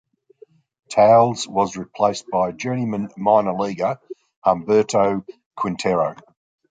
Towles was replaced by journeyman minor-leaguer Humberto Quintero.